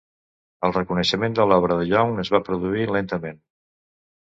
El reconeixement de l'obra de Young es va produir lentament.